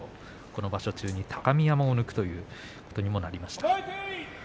この場所中に、高見山を抜くということにもなりました。